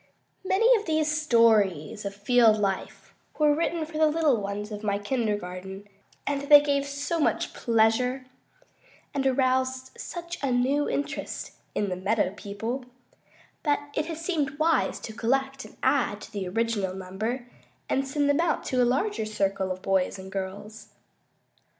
Many of these stories of field life were written for the little ones of my kindergarten, and they gave so much pleasure, and aroused such a new interest in "the meadow people," that it has seemed wise to collect and add to the original number and send them out to a larger circle of boys and girls.